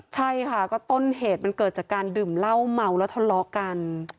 ใช่ค่ะก็ต้นเหตุมันเกิดจากการดื่มเหล้าเมาแล้วทะเลาะกัน